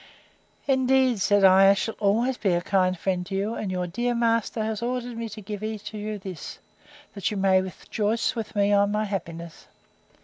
Indeed, said I, I shall always be a kind friend to you; and your dear master has ordered me to give each of you this, that you may rejoice with me on my happiness.